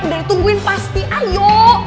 udah ditungguin pasti ayo